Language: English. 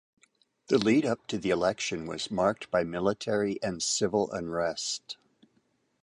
The lead-up to the election was marked by military and civil unrest.